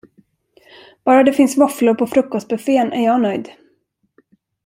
Bara det finns våfflor på frukostbuffén är jag nöjd!